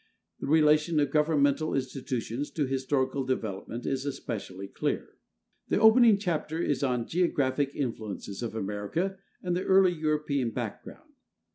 The relation of governmental institutions to historical development is especially clear. The opening chapter is on geographic influences of America and the early European background.